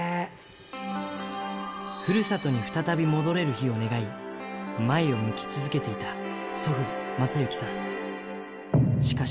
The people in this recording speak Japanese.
ふるさとに再び戻れる日を願い、前を向き続けていた祖父、正行さん。